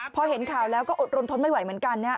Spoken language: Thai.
พอเห็นข่าวแล้วก็อดรนทนไม่ไหวเหมือนกันนะครับ